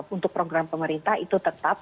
untuk program pemerintah itu tetap